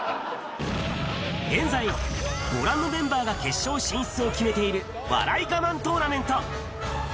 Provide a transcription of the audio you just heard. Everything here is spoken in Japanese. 現在、ご覧のメンバーが決勝進出を決めている笑い我慢トーナメント。